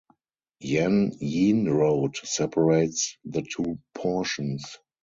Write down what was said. Yan Yean Road separates the two portions.